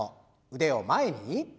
腕を前に。